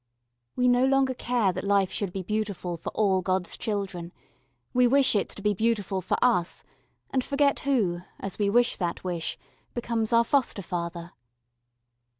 We no longer care that life should be beautiful for all God's children we wish it to be beautiful for us and forget who, as we wish that wish, becomes our foster father.